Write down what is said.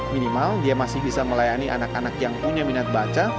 minimal dia masih bisa melayani anak anak yang punya minat baca